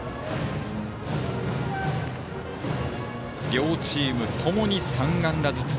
両チームともに３安打ずつ。